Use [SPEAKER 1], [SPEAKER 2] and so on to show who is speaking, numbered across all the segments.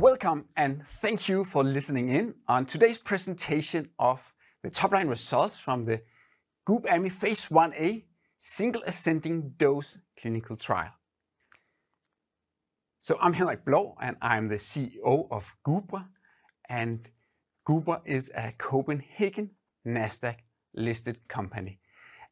[SPEAKER 1] Welcome, and thank you for listening in on today's presentation of the top-line results from the GUBamy Phase I-A Single Ascending Dose Clinical Trial. So I'm Henrik Blou, and I'm the CEO of Gubra. And Gubra is a Copenhagen Nasdaq-listed company.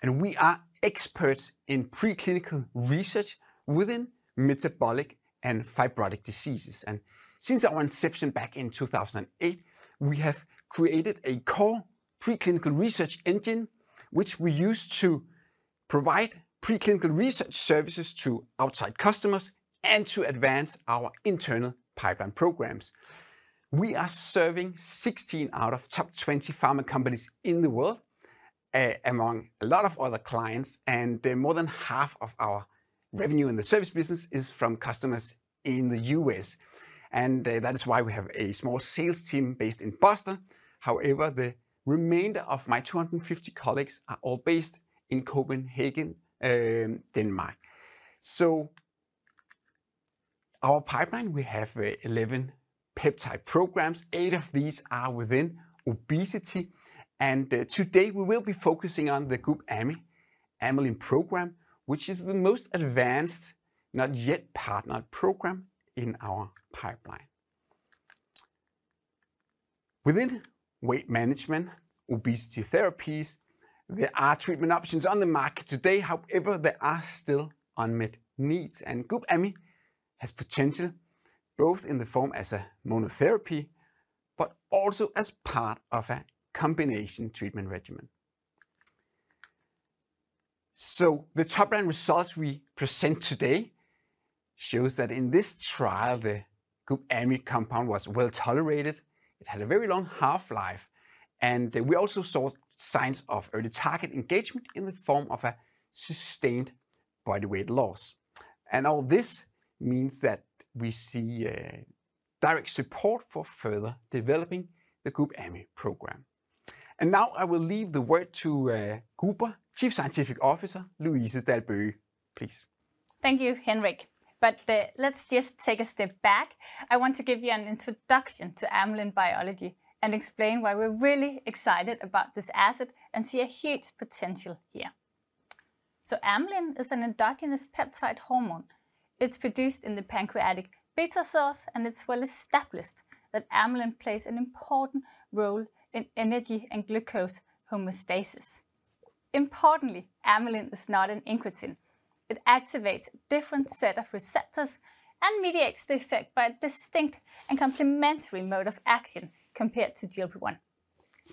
[SPEAKER 1] And we are experts in preclinical research within metabolic and fibrotic diseases. And since our inception back in 2008, we have created a core preclinical research engine, which we use to provide preclinical research services to outside customers and to advance our internal pipeline programs. We are serving 16 out of the top 20 pharma companies in the world, among a lot of other clients. And more than half of our revenue in the service business is from customers in the U.S. And that is why we have a small sales team based in Boston. However, the remainder of my 250 colleagues are all based in Copenhagen, Denmark. Our pipeline, we have 11 peptide programs. Eight of these are within obesity. Today we will be focusing on the GUBamy Amylin program, which is the most advanced, not yet partnered program in our pipeline. Within weight management, obesity therapies, there are treatment options on the market today. However, there are still unmet needs. GUBamy has potential both in the form as a monotherapy, but also as part of a combination treatment regimen. The top-line results we present today show that in this trial, the GUBamy compound was well tolerated. It had a very long half-life. We also saw signs of early target engagement in the form of a sustained body weight loss. All this means that we see direct support for further developing the GUBamy program. Now I will leave the word to Gubra's Chief Scientific Officer, Louise Dalbøge, please.
[SPEAKER 2] Thank you, Henrik. But let's just take a step back. I want to give you an introduction to amylin biology and explain why we're really excited about this asset and see a huge potential here. So amylin is an endogenous peptide hormone. It's produced in the pancreatic beta cells, and it's well established that amylin plays an important role in energy and glucose homeostasis. Importantly, amylin is not an incretin. It activates a different set of receptors and mediates the effect by a distinct and complementary mode of action compared to GLP-1.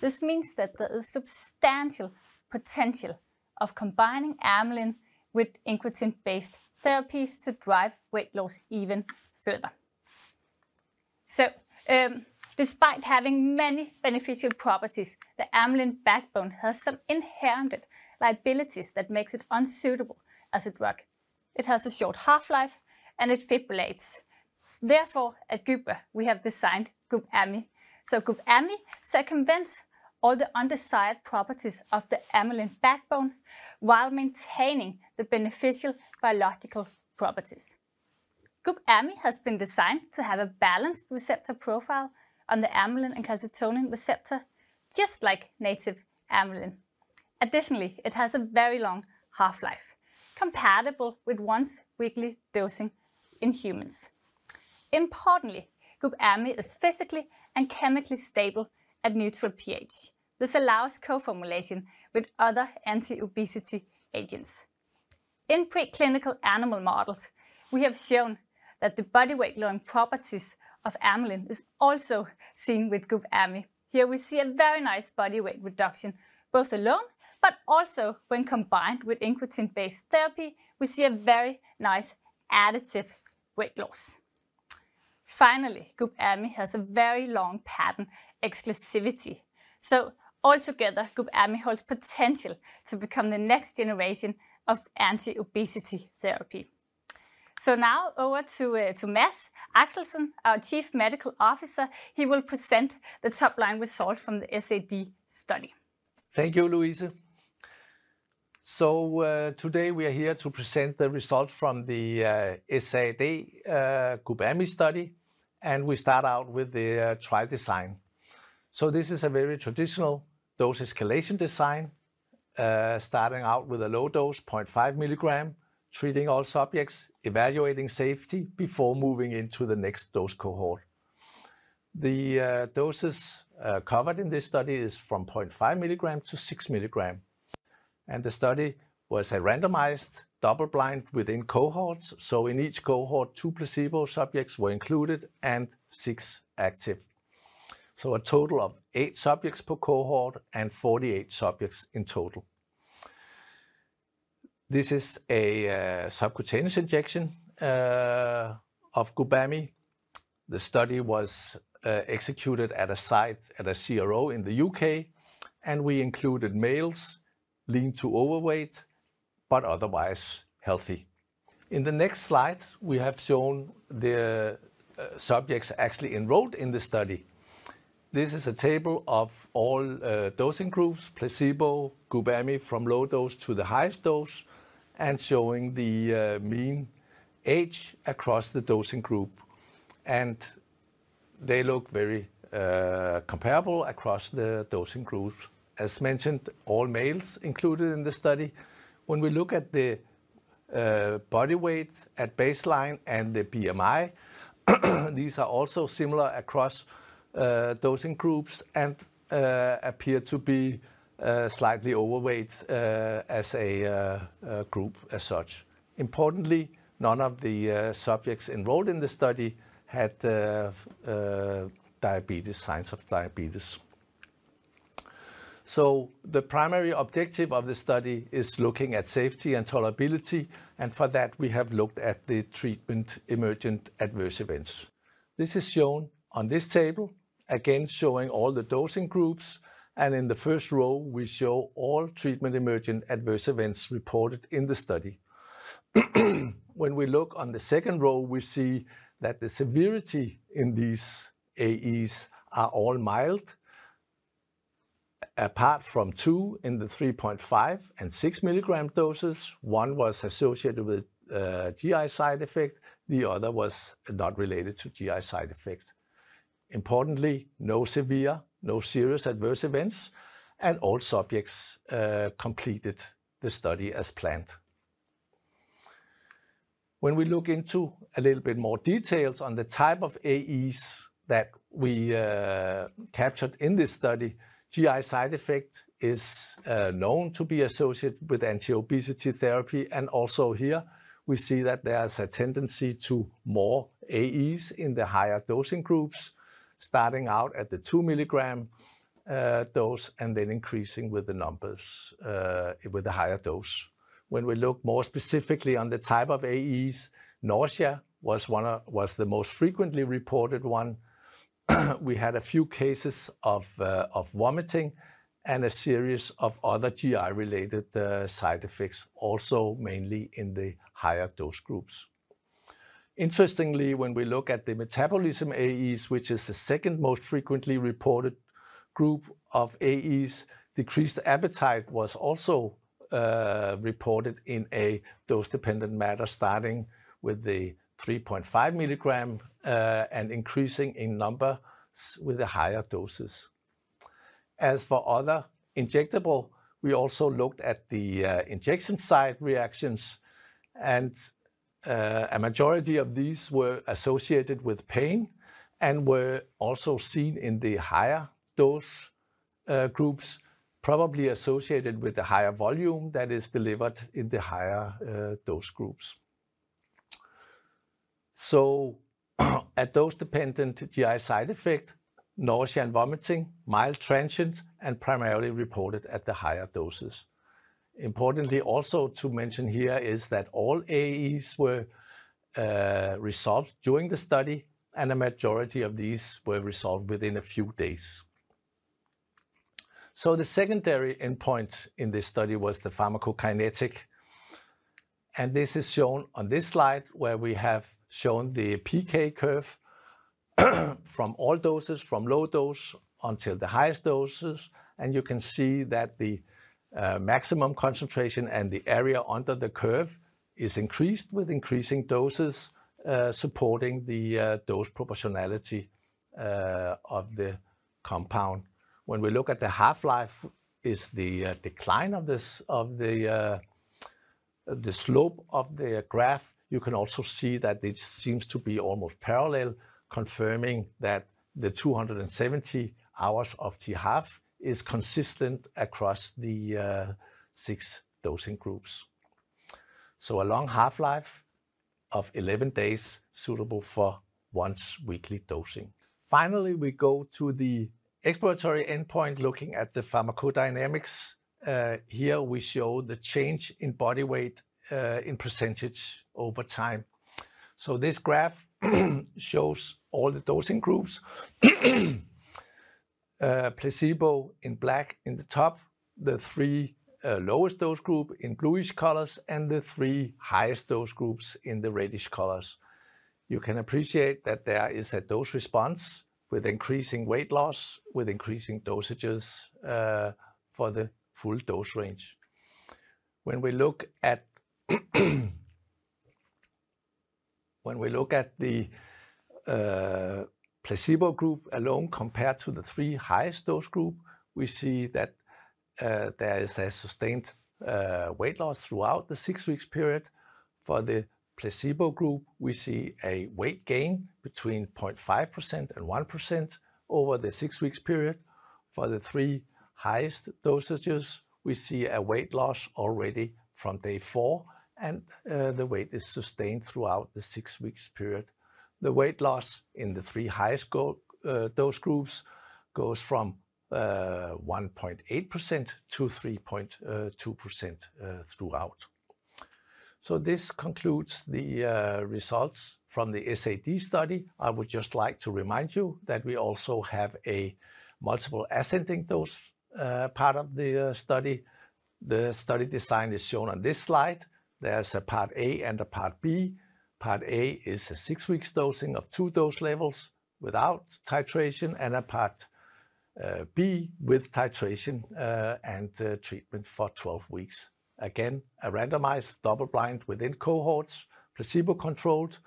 [SPEAKER 2] This means that there is substantial potential of combining amylin with incretin-based therapies to drive weight loss even further. So despite having many beneficial properties, the amylin backbone has some inherent liabilities that make it unsuitable as a drug. It has a short half-life, and it fibrillates. Therefore, at Gubra, we have designed GUBamy. GUBamy circumvents all the undesired properties of the amylin backbone while maintaining the beneficial biological properties. GUBamy has been designed to have a balanced receptor profile on the amylin and calcitonin receptor, just like native amylin. Additionally, it has a very long half-life, compatible with once-weekly dosing in humans. Importantly, GUBamy is physically and chemically stable at neutral pH. This allows co-formulation with other anti-obesity agents. In preclinical animal models, we have shown that the body weight-lowering properties of amylin are also seen with GUBamy. Here, we see a very nice body weight reduction both alone, but also when combined with incretin-based therapy, we see a very nice additive weight loss. Finally, GUBamy has a very long patent exclusivity. Altogether, GUBamy holds potential to become the next generation of anti-obesity therapy. So now over to Mads Axelsen, our Chief Medical Officer. He will present the top-line result from the SAD study.
[SPEAKER 3] Thank you, Louise. Today we are here to present the results from the SAD GUBamy study. We start out with the trial design. This is a very traditional dose escalation design, starting out with a low dose, 0.5 milligram, treating all subjects, evaluating safety before moving into the next dose cohort. The doses covered in this study are from 0.5 milligrams to six milligram. The study was a randomized double-blind within cohorts. In each cohort, two placebo subjects were included and six active. A total of eight subjects per cohort and 48 subjects in total. This is a subcutaneous injection of GUBamy. The study was executed at a site at a CRO in the U.K. We included males lean to overweight, but otherwise healthy. In the next slide, we have shown the subjects actually enrolled in the study. This is a table of all dosing groups, placebo, GUBamy from low dose to the highest dose, and showing the mean age across the dosing group. And they look very comparable across the dosing groups. As mentioned, all males included in the study. When we look at the body weight at baseline and the BMI, these are also similar across dosing groups and appear to be slightly overweight as a group as such. Importantly, none of the subjects enrolled in the study had diabetes or signs of diabetes. So the primary objective of the study is to look at safety and tolerability. And for that, we have looked at the treatment-emergent adverse events. This is shown on this table, again showing all the dosing groups. And in the first row, we show all treatment-emergent adverse events reported in the study. When we look on the second row, we see that the severity in these AEs are all mild. Apart from two in the 3.5 and six milligram doses, one was associated with a GI side effect. The other was not related to GI side effect. Importantly, no severe, no serious adverse events. And all subjects completed the study as planned. When we look into a little bit more details on the type of AEs that we captured in this study, GI side effect is known to be associated with anti-obesity therapy. And also here, we see that there is a tendency to more AEs in the higher dosing groups, starting out at the two milligram dose and then increasing with the numbers with the higher dose. When we look more specifically on the type of AEs, nausea was the most frequently reported one. We had a few cases of vomiting and a series of other GI-related side effects, also mainly in the higher dose groups. Interestingly, when we look at the metabolism AEs, which is the second most frequently reported group of AEs, decreased appetite was also reported in a dose-dependent manner, starting with the 3.5 milligram and increasing in number with the higher doses. As for other injectable, we also looked at the injection site reactions, and a majority of these were associated with pain and were also seen in the higher dose groups, probably associated with the higher volume that is delivered in the higher dose groups, so a dose-dependent GI side effect, nausea and vomiting, mild transient, and primarily reported at the higher doses. Importantly, also to mention here is that all AEs were resolved during the study, and a majority of these were resolved within a few days. The secondary endpoint in this study was the pharmacokinetics. And this is shown on this slide, where we have shown the PK curve from all doses, from low dose until the highest doses. And you can see that the maximum concentration and the area under the curve is increased with increasing doses, supporting the dose proportionality of the compound. When we look at the half-life, is the decline of the slope of the graph. You can also see that this seems to be almost parallel, confirming that the 270 hours of T half is consistent across the six dosing groups. A long half-life of 11 days suitable for once-weekly dosing. Finally, we go to the exploratory endpoint, looking at the pharmacodynamics. Here we show the change in body weight in percentage over time. This graph shows all the dosing groups. Placebo in black in the top, the three lowest dose group in bluish colors, and the three highest dose groups in the reddish colors. You can appreciate that there is a dose response with increasing weight loss, with increasing dosages for the full dose range. When we look at the placebo group alone compared to the three highest dose group, we see that there is a sustained weight loss throughout the six-week period. For the placebo group, we see a weight gain between 0.5% and 1% over the six-week period. For the three highest dosages, we see a weight loss already from day four, and the weight is sustained throughout the six-week period. The weight loss in the three highest dose groups goes from 1.8% - 3.2% throughout. So this concludes the results from the SAD study. I would just like to remind you that we also have a multiple ascending dose part of the study. The study design is shown on this slide. There's a part A and a part B. Part A is a six-week dosing of two dose levels without titration and a part B with titration and treatment for 12 weeks. Again, a randomized double-blind within-cohorts, placebo-controlled,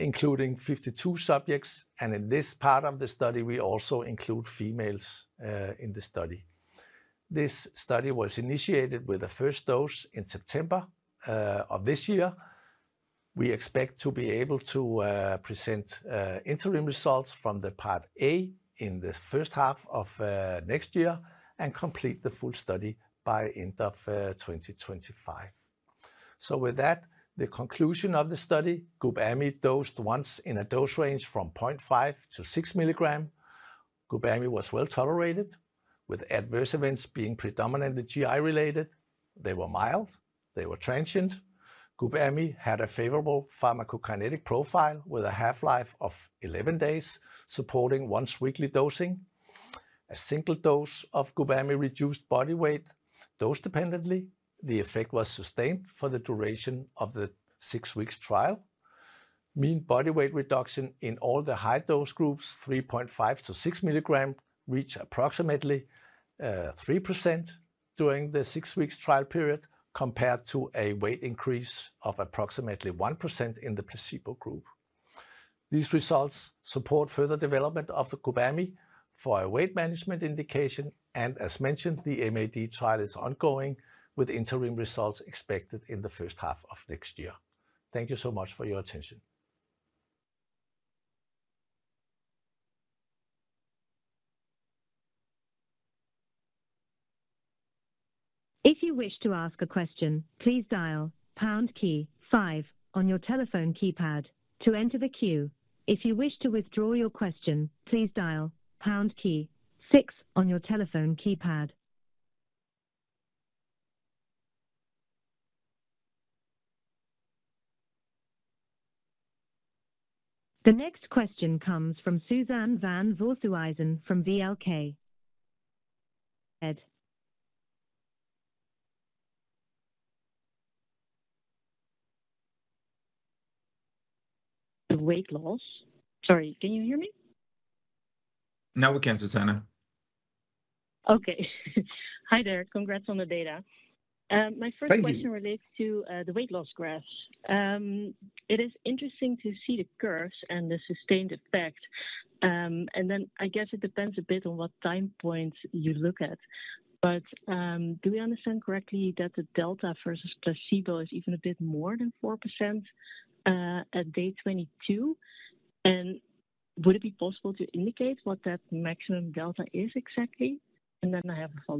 [SPEAKER 3] including 52 subjects, and in this part of the study, we also include females in the study. This study was initiated with the first dose in September of this year. We expect to be able to present interim results from the part A in the first half of next year and complete the full study by end of 2025. So with that, the conclusion of the study, GUBamy dosed once in a dose range from 0.5 to six milligrams. GUBamy was well tolerated, with adverse events being predominantly GI-related. They were mild. They were transient. GUBamy had a favorable pharmacokinetic profile with a half-life of 11 days, supporting once-weekly dosing. A single dose of GUBamy reduced body weight dose-dependently. The effect was sustained for the duration of the six-week trial. Mean body weight reduction in all the high dose groups, 3.5-6 milligrams, reached approximately 3% during the six-week trial period, compared to a weight increase of approximately 1% in the placebo group. These results support further development of the GUBamy for a weight management indication, and as mentioned, the MAD trial is ongoing, with interim results expected in the first half of next year. Thank you so much for your attention.
[SPEAKER 4] If you wish to ask a question, please dial pound key five on your telephone keypad to enter the queue. If you wish to withdraw your question, please dial pound key six on your telephone keypad. The next question comes from Suzanne van Voorthuizen from VLK.
[SPEAKER 5] Weight loss. Sorry, can you hear me?
[SPEAKER 1] Now we can, Suzanne.
[SPEAKER 5] Okay. Hi there. Congrats on the data. My first question relates to the weight loss graphs. It is interesting to see the curves and the sustained effect. And then I guess it depends a bit on what time point you look at. But do we understand correctly that the delta versus placebo is even a bit more than 4% at day 22? And would it be possible to indicate what that maximum delta is exactly? And then I have a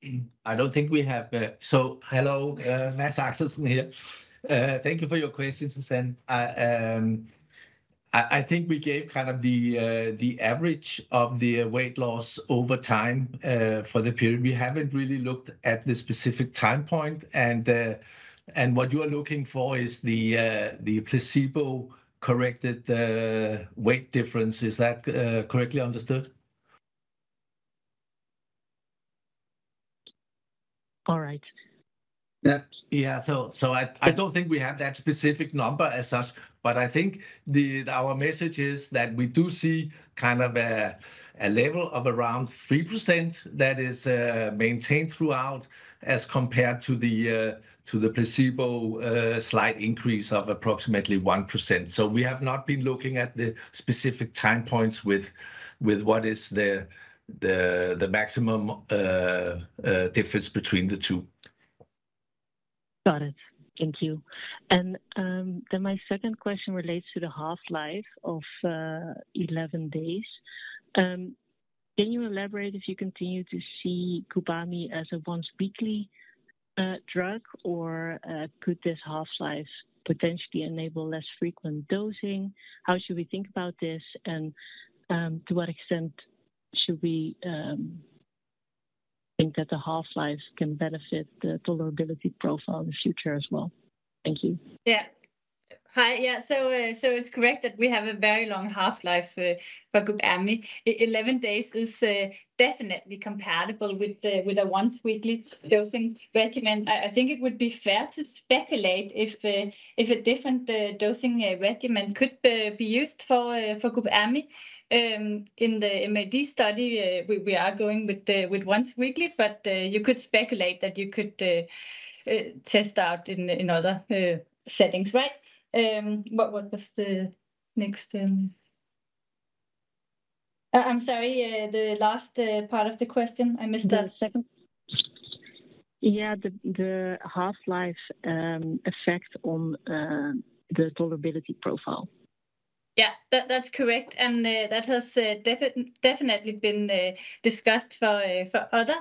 [SPEAKER 5] follow-up.
[SPEAKER 3] Hello, Mads Axelsen here. Thank you for your question, Suzanne. I think we gave kind of the average of the weight loss over time for the period. We haven't really looked at the specific time point, and what you are looking for is the placebo-corrected weight difference. Is that correctly understood?
[SPEAKER 5] All right.
[SPEAKER 3] Yeah. So I don't think we have that specific number as such. But I think our message is that we do see kind of a level of around 3% that is maintained throughout, as compared to the placebo, a slight increase of approximately 1%. So we have not been looking at the specific time points, with what is the maximum difference between the two.
[SPEAKER 5] Got it. Thank you. And then my second question relates to the half-life of 11 days. Can you elaborate if you continue to see GUBamy as a once-weekly drug, or could this half-life potentially enable less frequent dosing? How should we think about this? And to what extent should we think that the half-life can benefit the tolerability profile in the future as well? Thank you.
[SPEAKER 2] Yeah. Hi. Yeah. So it's correct that we have a very long half-life for GUBamy. 11 days is definitely compatible with a once-weekly dosing regimen. I think it would be fair to speculate if a different dosing regimen could be used for GUBamy. In the MAD study, we are going with once-weekly, but you could speculate that you could test out in other settings, right? What was the next? I'm sorry, the last part of the question. I missed that second.
[SPEAKER 5] Yeah, the half-life effect on the tolerability profile.
[SPEAKER 2] Yeah, that's correct, and that has definitely been discussed for other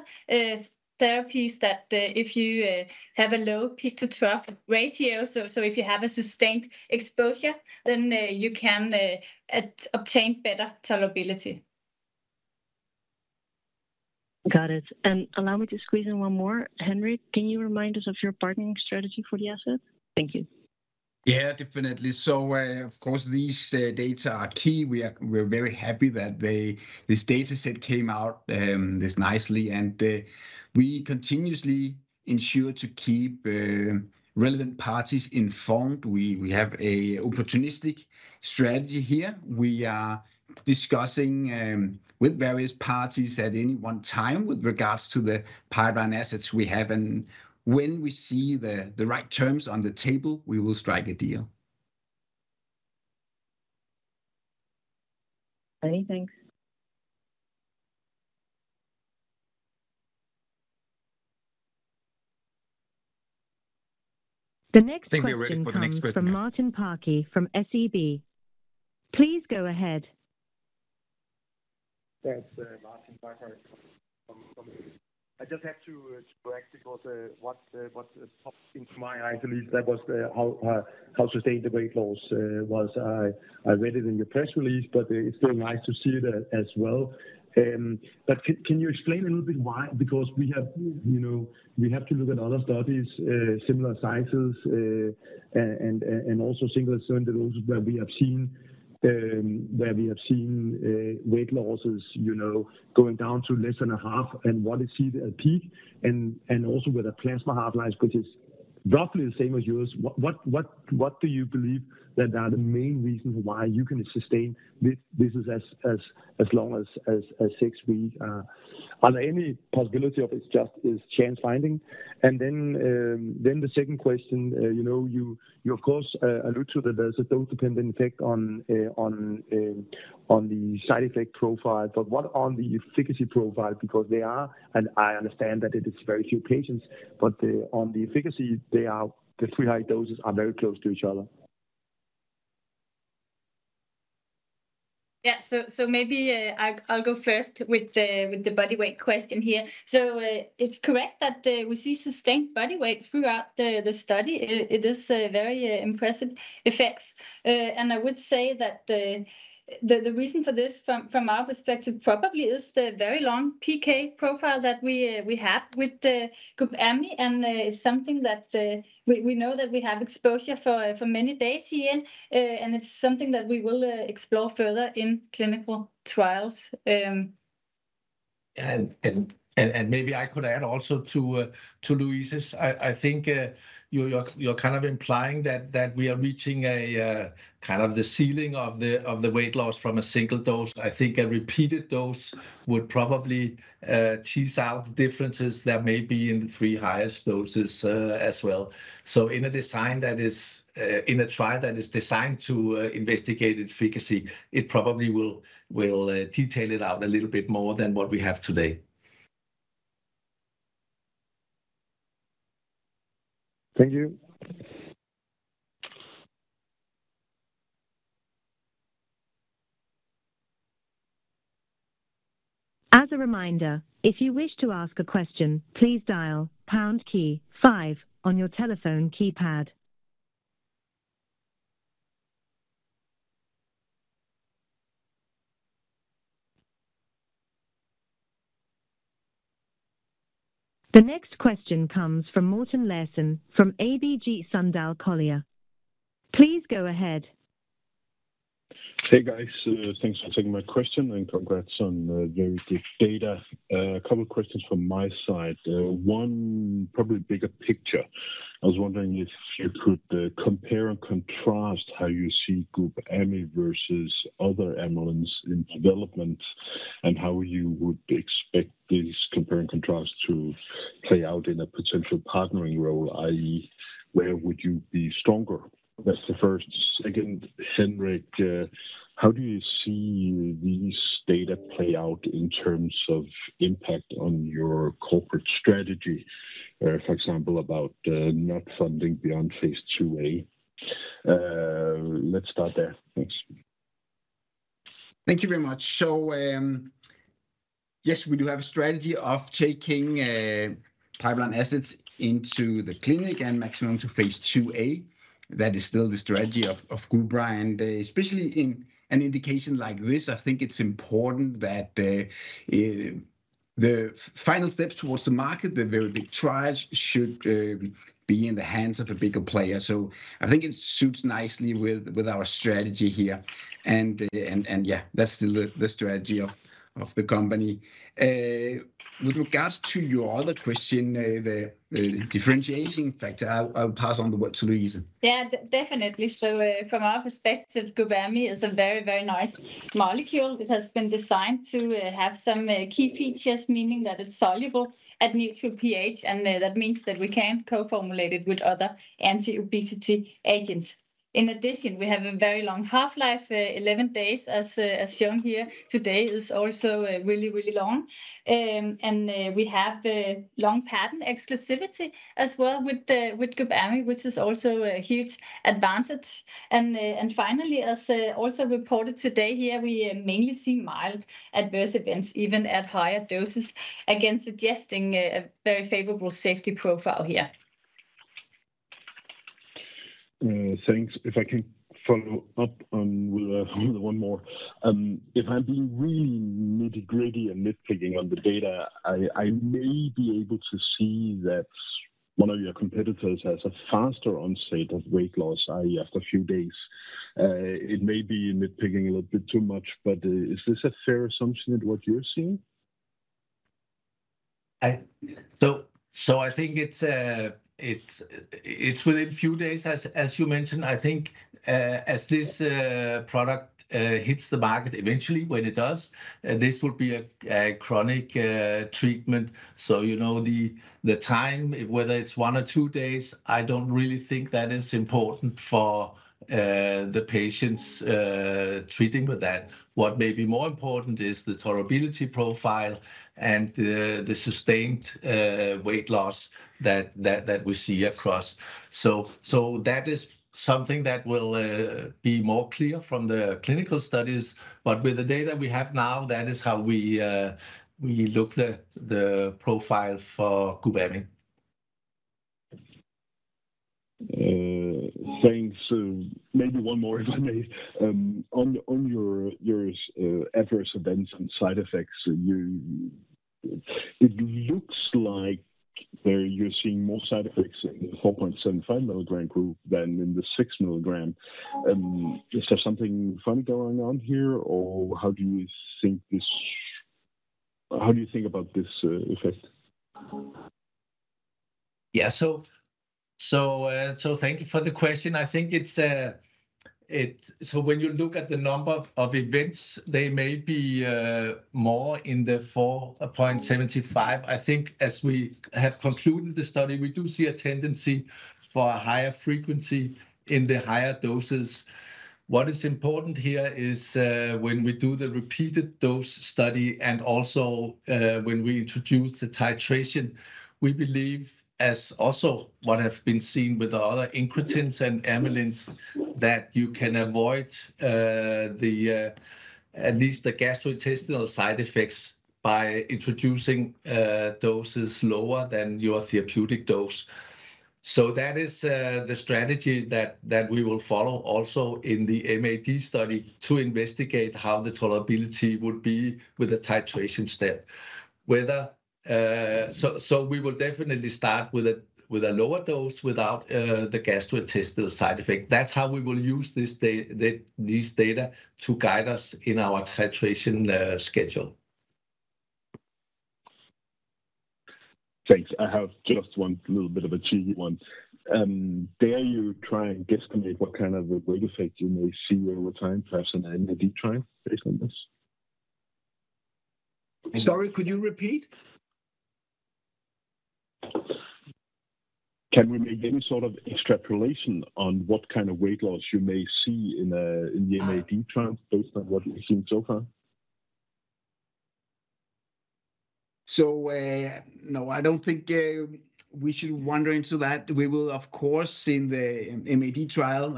[SPEAKER 2] therapies, that if you have a low PK-to-PD ratio, so if you have a sustained exposure, then you can obtain better tolerability.
[SPEAKER 5] Got it, and allow me to squeeze in one more. Henrik, can you remind us of your bargaining strategy for the asset? Thank you.
[SPEAKER 1] Yeah, definitely. So of course, these data are key. We're very happy that this data set came out this nicely. And we continuously ensure to keep relevant parties informed. We have an opportunistic strategy here. We are discussing with various parties at any one time with regards to the pipeline assets we have. And when we see the right terms on the table, we will strike a deal.
[SPEAKER 5] Thanks.
[SPEAKER 2] Thank you for the next question.
[SPEAKER 4] Thank you very much for the next question.
[SPEAKER 2] From Martin Parkhøi from SEB. Please go ahead.
[SPEAKER 6] Thanks, Martin Parkhøi. I just have to correct what popped into my eye, at least, that was how sustained the weight loss was. I read it in your press release, but it's still nice to see that as well. But can you explain a little bit why? Because we have to look at other studies, similar sizes, and also single dose injections, where we have seen weight losses going down to less than a half, and what is seen at peak, and also with a plasma half-life, which is roughly the same as yours. What do you believe that are the main reasons why you can sustain this as long as six weeks? Are there any possibility of it's just a chance finding? And then the second question, you of course alluded to that there's a dose-dependent effect on the side effect profile. But what on the efficacy profile? Because they are, and I understand that it is very few patients, but on the efficacy, the three high doses are very close to each other.
[SPEAKER 2] Yeah. So maybe I'll go first with the body weight question here. So it's correct that we see sustained body weight throughout the study. It is a very impressive effect. And I would say that the reason for this, from our perspective, probably is the very long PK profile that we have with GUBamy, and it's something that we know that we have exposure for many days here. And it's something that we will explore further in clinical trials.
[SPEAKER 3] And maybe I could add also to Louise's. I think you're kind of implying that we are reaching kind of the ceiling of the weight loss from a single dose. I think a repeated dose would probably tease out differences that may be in the three highest doses as well. So in a design that is in a trial that is designed to investigate efficacy, it probably will detail it out a little bit more than what we have today.
[SPEAKER 6] Thank you.
[SPEAKER 2] As a reminder, if you wish to ask a question, please dial pound key five on your telephone keypad. The next question comes from Morten Larsen from ABG Sundal Collier. Please go ahead.
[SPEAKER 7] Hey, guys. Thanks for taking my question, and congrats on the data. A couple of questions from my side. One, probably a bigger picture. I was wondering if you could compare and contrast how you see GUBamy versus other amylins in development, and how you would expect these compare and contrast to play out in a potential partnering role, i.e., where would you be stronger? That's the first. Second, Henrik, how do you see these data play out in terms of impact on your corporate strategy, for example, about not funding beyond phase II-A? Let's start there. Thanks.
[SPEAKER 3] Thank you very much. So yes, we do have a strategy of taking pipeline assets into the clinic and maximum to phase II-A. That is still the strategy of Gubra, and especially in an indication like this, I think it's important that the final steps towards the market, the very big trials, should be in the hands of a bigger player. So I think it suits nicely with our strategy here, and yeah, that's still the strategy of the company. With regards to your other question, the differentiating factor, I'll pass on the word to Louise.
[SPEAKER 2] Yeah, definitely. So from our perspective, GUBamy is a very, very nice molecule. It has been designed to have some key features, meaning that it's soluble at neutral pH, and that means that we can co-formulate it with other anti-obesity agents. In addition, we have a very long half-life, 11 days, as shown here today. It's also really, really long. And we have long patent exclusivity as well with GUBamy, which is also a huge advantage. And finally, as also reported today here, we mainly see mild adverse events, even at higher doses, again suggesting a very favorable safety profile here.
[SPEAKER 7] Thanks. If I can follow up with one more. If I'm being really nitty-gritty and nitpicking on the data, I may be able to see that one of your competitors has a faster onset of weight loss, i.e., after a few days. It may be nitpicking a little bit too much, but is this a fair assumption in what you're seeing?
[SPEAKER 3] So I think it's within a few days, as you mentioned. I think as this product hits the market eventually, when it does, this will be a chronic treatment. So, the time, whether it's one or two days, I don't really think that is important for the patients treating with that. What may be more important is the tolerability profile and the sustained weight loss that we see across. So that is something that will be more clear from the clinical studies. But with the data we have now, that is how we look at the profile for GUBamy.
[SPEAKER 7] Thanks. Maybe one more, if I may. On your adverse events and side effects, it looks like you're seeing more side effects in the 4.75 milligram group than in the six milligram. Is there something funny going on here, or how do you think about this effect?
[SPEAKER 3] Yeah. So thank you for the question. I think it's so when you look at the number of events, they may be more in the 4.75. I think as we have concluded the study, we do see a tendency for a higher frequency in the higher doses. What is important here is when we do the repeated dose study and also when we introduce the titration, we believe, as also what has been seen with other incretins and amylines, that you can avoid at least the gastrointestinal side effects by introducing doses lower than your therapeutic dose. So that is the strategy that we will follow also in the MAD study to investigate how the tolerability would be with the titration step. So we will definitely start with a lower dose without the gastrointestinal side effect. That's how we will use these data to guide us in our titration schedule.
[SPEAKER 7] Thanks. I have just one little bit of a cheeky one. Dare you try and guesstimate what kind of weight effect you may see over time percent in the petrelintide based on this?
[SPEAKER 3] Sorry, could you repeat?
[SPEAKER 7] Can we make any sort of extrapolation on what kind of weight loss you may see in the MAD trial based on what you've seen so far?
[SPEAKER 3] So no, I don't think we should wander into that. We will, of course, in the MAD trial,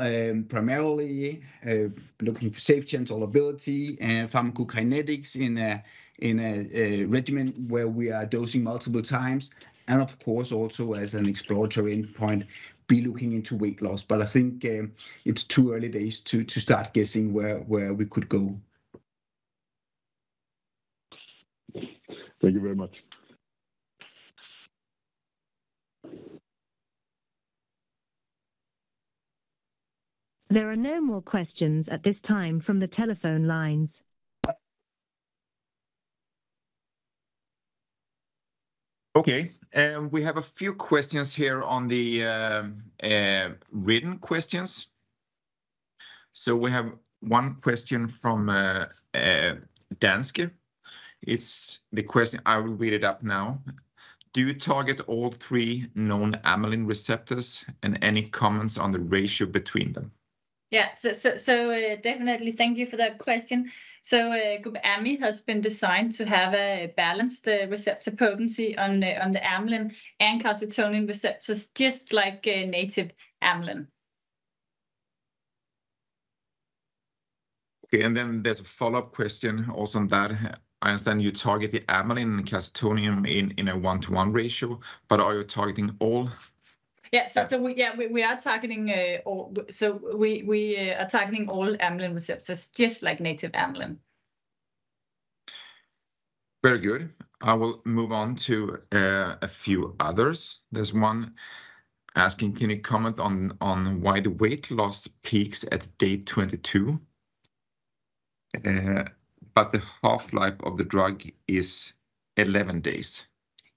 [SPEAKER 3] primarily looking for safety and tolerability and pharmacokinetics in a regimen where we are dosing multiple times. And of course, also as an exploratory endpoint, be looking into weight loss. But I think it's too early days to start guessing where we could go.
[SPEAKER 7] Thank you very much.
[SPEAKER 2] There are no more questions at this time from the telephone lines.
[SPEAKER 1] Okay. We have a few questions here on the written questions. So we have one question from Danske. It's the question I will read it up now. Do you target all three known amylin receptors, and any comments on the ratio between them?
[SPEAKER 2] Yeah. So definitely, thank you for that question. So GUBamy has been designed to have a balanced receptor potency on the amylin and calcitonin receptors, just like native amylin.
[SPEAKER 1] Okay. And then there's a follow-up question also on that. I understand you target the amylin and calcitonin in a one-to-one ratio, but are you targeting all?
[SPEAKER 2] Yeah. We are targeting all amylin receptors, just like native amylin.
[SPEAKER 1] Very good. I will move on to a few others. There's one asking, can you comment on why the weight loss peaks at day 22, but the half-life of the drug is 11 days?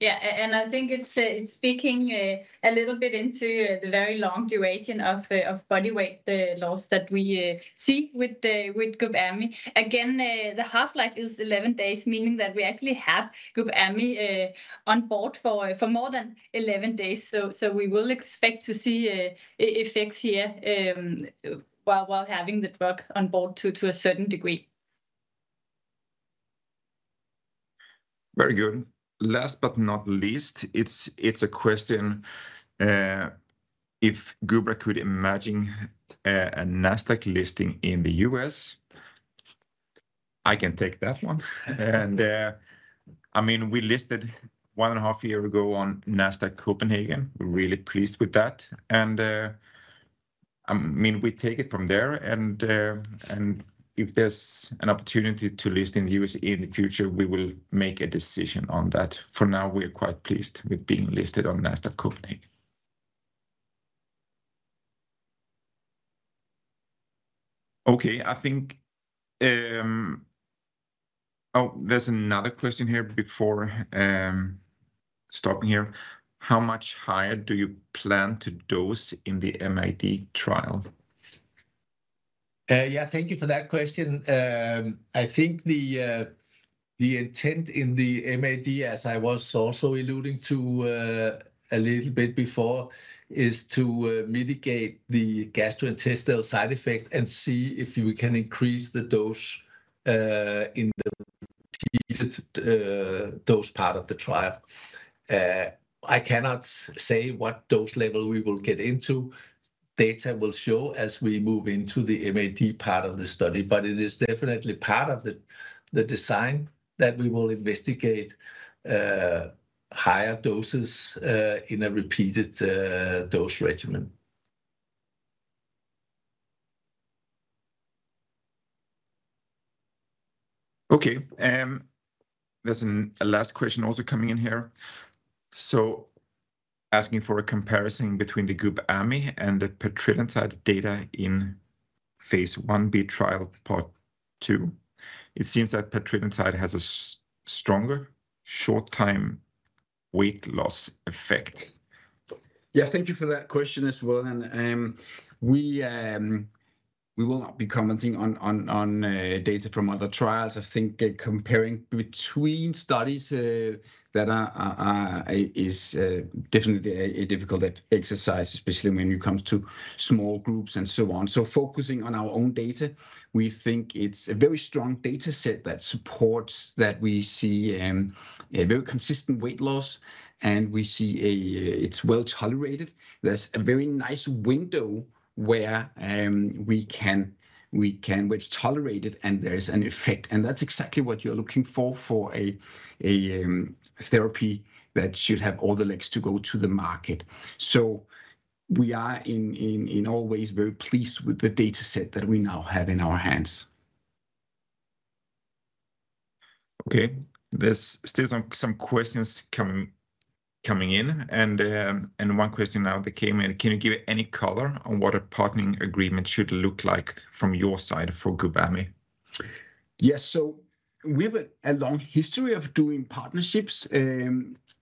[SPEAKER 2] Yeah. And I think it's speaking a little bit into the very long duration of body weight loss that we see with GUBamy. Again, the half-life is 11 days, meaning that we actually have GUBamy on board for more than 11 days. So we will expect to see effects here while having the drug on board to a certain degree.
[SPEAKER 1] Very good. Last but not least, it's a question if Gubra could imagine a Nasdaq listing in the U.S. I can take that one. And I mean, we listed one and a half years ago on Nasdaq Copenhagen. We're really pleased with that. And I mean, we take it from there. And if there's an opportunity to list in the U.S. in the future, we will make a decision on that. For now, we are quite pleased with being listed on Nasdaq Copenhagen. Okay. I think, oh, there's another question here before stopping here. How much higher do you plan to dose in the MAD trial?
[SPEAKER 3] Yeah. Thank you for that question. I think the intent in the MAD, as I was also alluding to a little bit before, is to mitigate the gastrointestinal side effect and see if we can increase the dose in the repeated dose part of the trial. I cannot say what dose level we will get into. Data will show as we move into the MAD part of the study, but it is definitely part of the design that we will investigate higher doses in a repeated dose regimen.
[SPEAKER 1] Okay. There's a last question also coming in here, so asking for a comparison between the GUBamy and the Petrelintide data in phase I-B trial part 2. It seems that Petrelintide has a stronger short-term weight loss effect.
[SPEAKER 3] Yeah. Thank you for that question as well. And we will not be commenting on data from other trials. I think comparing between studies is definitely a difficult exercise, especially when it comes to small groups and so on. So focusing on our own data, we think it's a very strong data set that supports that we see a very consistent weight loss, and we see it's well tolerated. There's a very nice window where we can tolerate it, and there's an effect. And that's exactly what you're looking for in a therapy that should have all the legs to go to the market. So we are in all ways very pleased with the data set that we now have in our hands.
[SPEAKER 1] Okay. There's still some questions coming in, and one question now that came in. Can you give any color on what a partnering agreement should look like from your side for GUBamy?
[SPEAKER 3] Yes. So we have a long history of doing partnerships.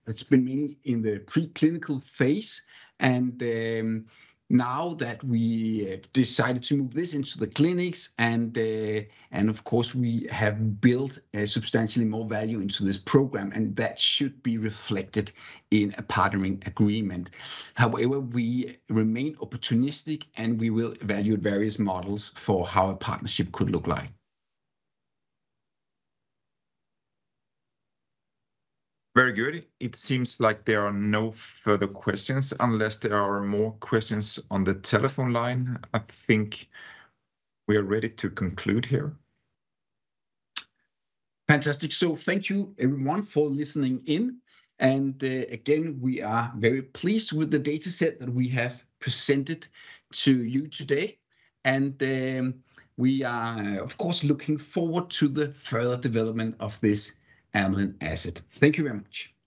[SPEAKER 3] It's been mainly in the preclinical phase. And now that we decided to move this into the clinics, and of course, we have built substantially more value into this program, and that should be reflected in a partnering agreement. However, we remain opportunistic, and we will evaluate various models for how a partnership could look like.
[SPEAKER 1] Very good. It seems like there are no further questions unless there are more questions on the telephone line. I think we are ready to conclude here.
[SPEAKER 3] Fantastic. So thank you, everyone, for listening in. And again, we are very pleased with the data set that we have presented to you today. And we are, of course, looking forward to the further development of this amylin asset. Thank you very much.